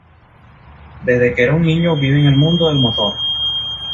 Desde que era un niño, vive el mundo del motor.